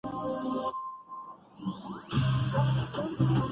Doctors کی ہڑتال "young doctors "ناراض ہیں۔